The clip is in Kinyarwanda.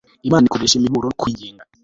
Imana ikoresha imiburo no kwinginga